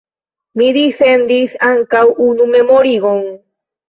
Mi dissendis ankaŭ unu memorigon.